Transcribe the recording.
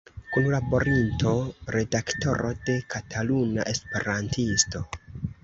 Kunlaborinto, redaktoro de "Kataluna Esperantisto".